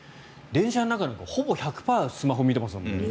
電車の中でもほぼ１００％スマホ見てますもんね。